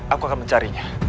aku akan mencarinya